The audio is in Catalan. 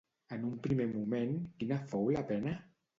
En un primer moment, quina fou la pena?